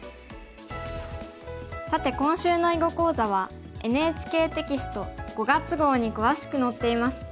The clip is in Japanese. さて今週の囲碁講座はＮＨＫテキスト５月号に詳しく載っています。